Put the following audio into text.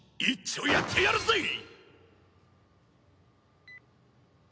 いっちょやってやるぜ！